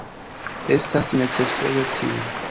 Estas necesejo tie